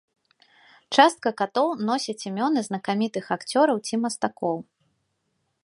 Частка катоў носяць імёны знакамітых акцёраў ці мастакоў.